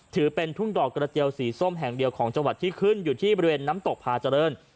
ถือเป็นทุ่งดอกกระเจียวสีส้มแห่งเดียวของจังหวัดที่ขึ้นอยู่ที่บริเวณน้ำตกพาเจริญ